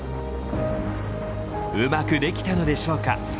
うまくできたのでしょうか。